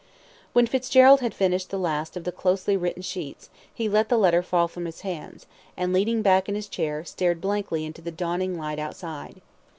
When Fitzgerald had finished the last of the closely written sheets, he let the letter fall from his hands, and, leaning back in his chair, stared blankly into the dawning light outside.